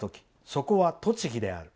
そこは栃木である」。